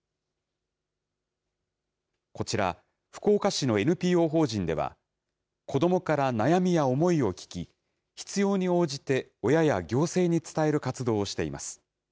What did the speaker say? こちら、福岡市のＮＰＯ法人では、子どもから悩みや思いを聞き、必要に応じて親や行政に伝える活動をしています。